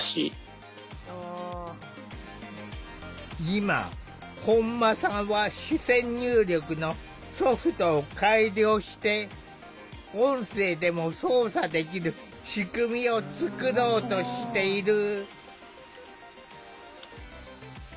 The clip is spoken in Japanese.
今本間さんは視線入力のソフトを改良して音声でも操作できる仕組みを作ろうとしている。